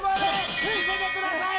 見せてください！